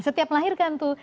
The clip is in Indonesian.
setiap melahirkan tuh